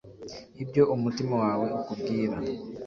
ibyo umutima wawe ukubwira.